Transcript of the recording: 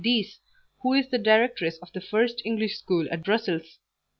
's, who is the directress of the first English school at Brussels.